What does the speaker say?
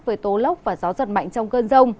về tố lốc và gió giật mạnh trong cơn rông